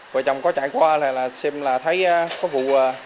vợ chồng có chạy qua xem là thấy có vụ